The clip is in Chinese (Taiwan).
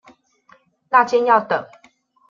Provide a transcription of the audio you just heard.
那間要等